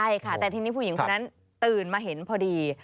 ใช่ค่ะแต่ทีนี้ผู้หญิงคนนั้นตื่นมาเห็นพอดี